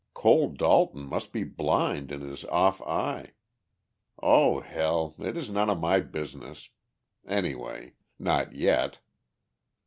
Cole Dalton must be blind in his off eye.... Oh, hell! It is none of my business. Any way ... not yet."